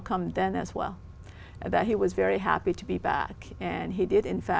cộng đồng lớn nhất của canada